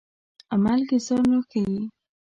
عمل کې ځان راښيي.